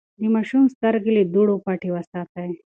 د ماشوم سترګې له دوړو پټې وساتئ.